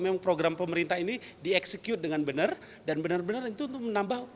memang program pemerintah ini dieksekut dengan benar dan benar benar itu untuk menambah